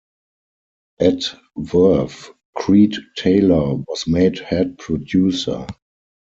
At Verve, Creed Taylor was made head producer.